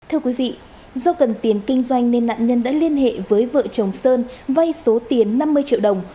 thưa quý vị do cần tiền kinh doanh nên nạn nhân đã liên hệ với vợ chồng sơn vay số tiền năm mươi triệu đồng